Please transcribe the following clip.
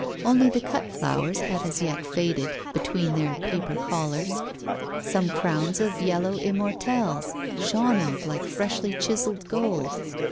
Only the cut flowers had as yet faded, between their paper collars. Some crowns of yellow immortelles shone out like freshly chiselled gold.